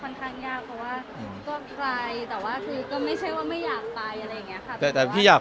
แสวได้ไงของเราก็เชียนนักอยู่ค่ะเป็นผู้ร่วมงานที่ดีมาก